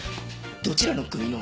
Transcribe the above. どちらの組の。